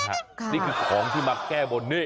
นี่คือของที่มาแก้บนนี่